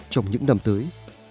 trong những năm tới